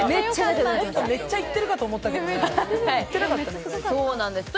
めっちゃ言ってるかと思ったけど、言ってなかったね。